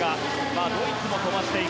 ドイツも飛ばしている。